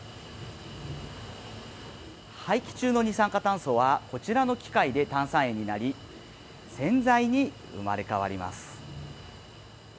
排気中の二酸化炭素はこちらの機械で炭酸塩になり洗剤に生まれ変わります。